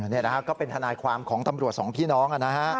นี่นะครับก็เป็นทานายความของตำรวจสองพี่น้อง